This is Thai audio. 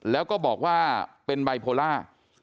แล้วก็บอกว่าเป็นไบโพล่า